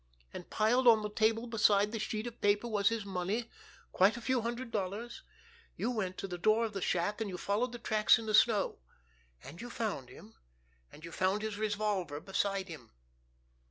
And piled on the table beside the sheet of paper was his money, quite a few hundred dollars. You went to the door of the shack, and you followed the tracks in the snow. And you found him, and you found his revolver beside him.